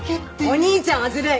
お兄ちゃんはずるい！